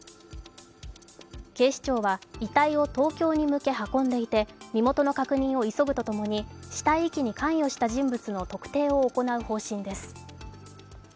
警視庁は遺体を東京に向け運んでいて身元の確認を急ぐとともに、死体遺棄に関与した人物の特定を行う方針です。